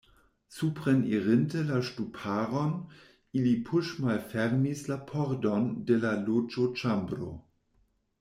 Suprenirinte la ŝtuparon, ili puŝmalfermis la pordon de la loĝoĉambro.